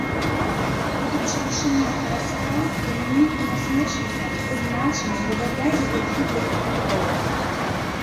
Будучы вышынёй хараства, яны нейкім насмешнікам прызначаны забаўляць глухі для іх натоўп.